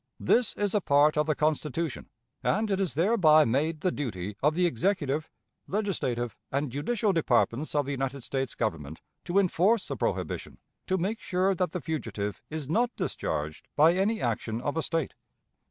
This is a part of the Constitution, and it is thereby made the duty of the executive, legislative, and judicial departments of the United States Government to enforce the prohibition, to make sure that the fugitive is not discharged by any action of a State.